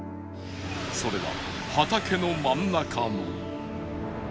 それは畑の真ん中の